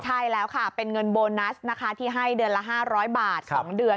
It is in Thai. ใช่แล้วค่ะเป็นเงินโบนัสนะคะที่ให้เดือนละ๕๐๐บาท๒เดือน